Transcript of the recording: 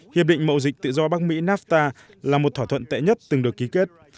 hiệp định mậu dịch tự do bắc mỹ nafta là một thỏa thuận tệ nhất từng được ký kết